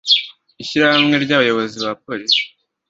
ishyirahamwe ry abayobozi ba Polisi